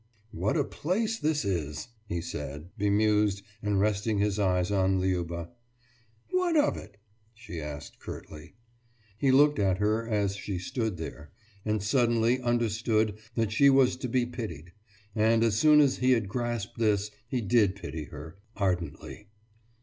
»What a place this is!« he said, bemused and resting his eyes on Liuba. »What of it?« she asked curtly. He looked at her as she stood there, and suddenly understood that she was to be pitied; and as soon as he had grasped this he did pity her ardently.